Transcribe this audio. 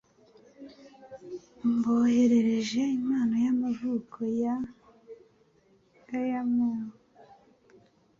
Mboherereje impano y'amavuko na airmail